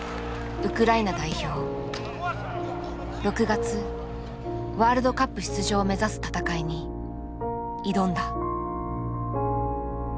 ６月ワールドカップ出場を目指す戦いに挑んだ。